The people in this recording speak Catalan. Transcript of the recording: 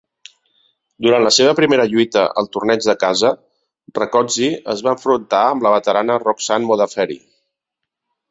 Durant la seva primera lluita al torneig de casa, Rakoczy es va enfrontar amb la veterana Roxanne Modafferi.